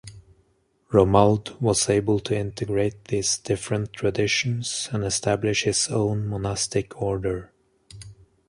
Romuald was able to integrate these different traditions and establish his own monastic order.